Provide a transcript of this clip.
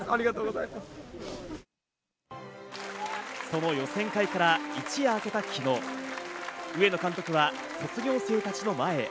その予選会から一夜明けた昨日、上野監督は卒業生たちの前へ。